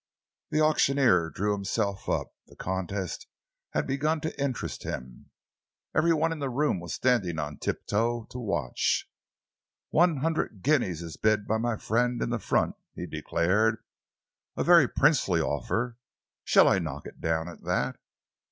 The auctioneer drew himself up. The contest had begun to interest him. Every one in the room was standing on tiptoe to watch. "One hundred guineas is bid by my friend in the front," he declared. "A very princely offer. Shall I knock it down at that?"